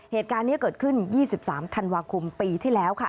เหตุการณ์นี้เกิดขึ้น๒๓ธันวาคมปีที่แล้วค่ะ